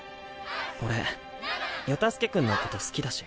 俺世田介君のこと好きだし。